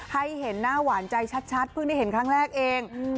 ให้เห็นหน้าหวานใจชัดเพิ่งได้เห็นครั้งแรกเอง